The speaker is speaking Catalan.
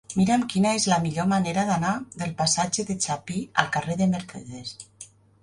Mira'm quina és la millor manera d'anar del passatge de Chapí al carrer de Mercedes.